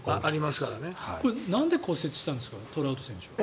なんで骨折したんですかトラウト選手は。